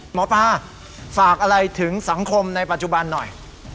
หมอปลาฝากอะไรถึงสังคมในปัจจุบันหน่อย